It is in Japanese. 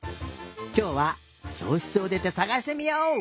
きょうはきょうしつをでてさがしてみよう！